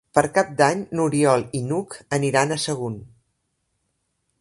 Per Cap d'Any n'Oriol i n'Hug aniran a Sagunt.